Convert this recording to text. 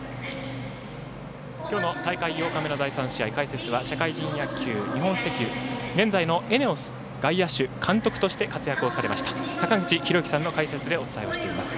きょうの大会８日目の第３試合解説は元日本石油現在のＥＮＥＯＳ外野で監督として活躍されました坂口裕之さんの解説でお伝えをしています。